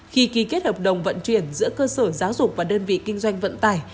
khi ký kết hợp đồng vận chuyển giữa cơ sở giáo dục và đơn vị kinh doanh vận tải